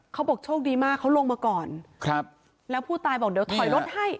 เขาบอกโชคดีมากเขาลงมาก่อนครับแล้วผู้ตายบอกเดี๋ยวถอยรถให้